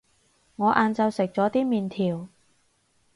我晏晝食咗啲麵條